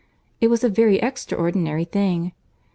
It was a very extraordinary thing!